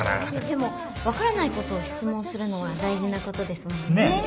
でも分からないことを質問するのは大事なことですもんねぇ。